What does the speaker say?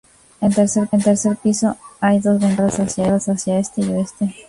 En el tercer piso hay dos ventanas situadas hacia este y oeste.